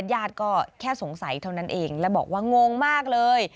ญาติก็แค่สงสัยเท่านั้นเองและบอกว่างงมากเลย